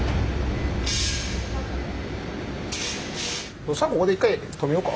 そしたらここで一回止めようか。